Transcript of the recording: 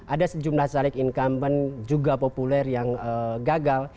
ada sejumlah caleg incumbent juga populer yang gagal